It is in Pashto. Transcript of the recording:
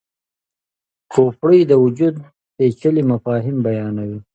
کویلیو د وجود پیچلي مفاهیم بیانوي.